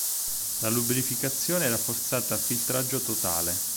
La lubrificazione era forzata a filtraggio totale.